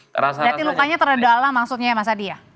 berarti lukanya terlalu dalam maksudnya ya mas adi ya